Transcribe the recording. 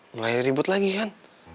mulai ribut lagi kan